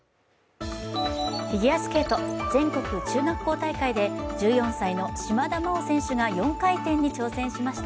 フィギュアスケート全国中学校大会で１４歳の島田麻央選手が４回転に挑戦しました。